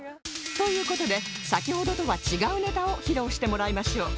という事で先ほどとは違うネタを披露してもらいましょう